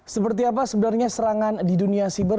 seperti apa sebenarnya serangan di dunia siber